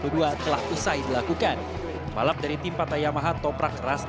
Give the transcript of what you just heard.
untuk saya peringatan ini penting untuk menangkan race